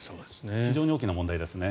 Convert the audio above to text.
非常に大きな問題ですね。